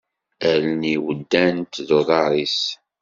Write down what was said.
Allen-iw ddant d uḍar-is.